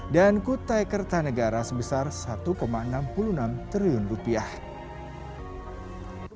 dan kutai kertanegara sebesar rp satu enam puluh enam triliun